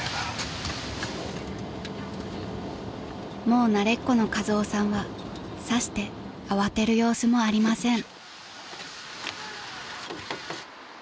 ［もう慣れっこのカズオさんはさして慌てる様子もありません］